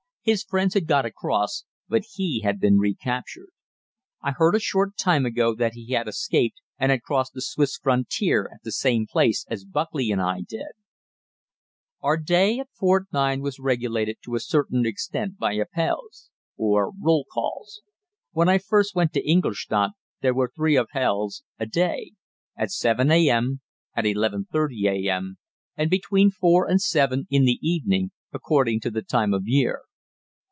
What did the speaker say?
His friends had got across, but he had been recaptured. I heard a short time ago that he had escaped and had crossed the Swiss frontier at the same place as Buckley and I did. Our day at Fort 9 was regulated to a certain extent by Appells or roll calls. When I first went to Ingolstadt there were three Appells a day at 7 a.m., at 11.30 a.m., and between 4 and 7 in the evening, according to the time of year.